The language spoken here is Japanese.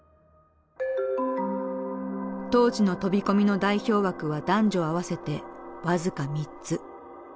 当時の飛び込みの代表枠は男女合わせて僅か３つ。